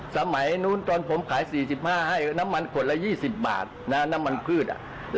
สมัยนู้นตอนผมขายสี่สิบห้าให้น้ำมันขวดละยี่สิบบาทน่ะน้ำมันพืชอ่ะ